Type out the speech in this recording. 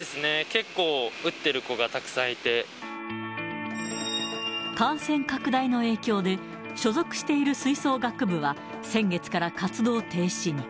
そうですね、結構、打ってる感染拡大の影響で、所属している吹奏楽部は、先月から活動停止に。